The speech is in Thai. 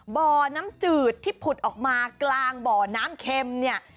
บ่อน้ำจืดที่ผุดออกมากลางบ่อน้ำเค็มเนี่ย